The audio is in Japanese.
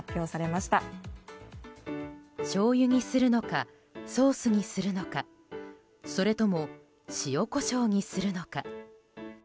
しょうゆにするのかソースにするのかそれとも塩コショウにするのか。